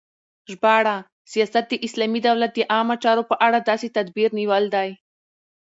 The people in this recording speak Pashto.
ژباړه : سیاست د اسلامی دولت د عامه چارو په اړه داسی تدبیر نیول دی